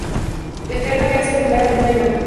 El cráneo era similar al de una llama.